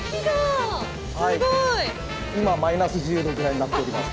今−１０度ぐらいになっております。